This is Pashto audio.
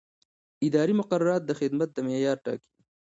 اداري مقررات د خدمت د معیار ټاکي.